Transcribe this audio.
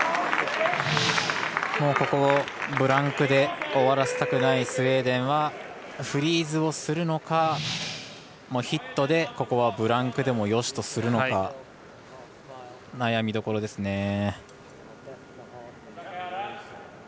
ここ、ブランクで終わらせたくないスウェーデンはフリーズをするのかヒットでここはブランクでもよしとするのか悩みどころですね。